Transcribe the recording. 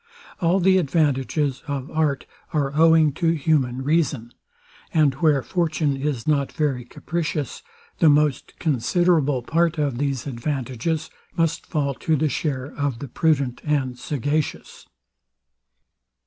All the advantages of art are owing to human reason; and where fortune is not very capricious, the most considerable part of these advantages must fall to the share of the prudent and sagacious.